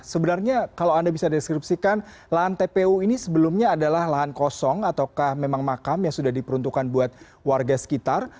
sebenarnya kalau anda bisa deskripsikan lahan tpu ini sebelumnya adalah lahan kosong ataukah memang makam yang sudah diperuntukkan buat warga sekitar